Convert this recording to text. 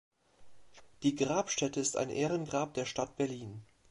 Die Grabstätte ist ein Ehrengrab der Stadt Berlin.